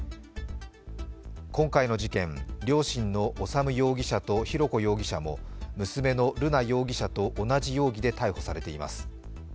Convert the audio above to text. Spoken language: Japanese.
今回の事件、両親の修容疑者と浩子容疑者も娘の瑠奈容疑者と同じ容疑で逮捕されています。